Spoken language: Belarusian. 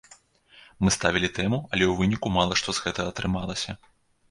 Мы ставілі тэму, але ў выніку мала што з гэтага атрымалася.